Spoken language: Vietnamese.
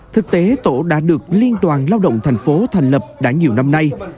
thực tế tổ đã được liên đoàn lao động thành phố thành lập đã nhiều năm nay